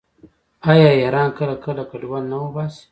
آیا ایران کله کله کډوال نه وباسي؟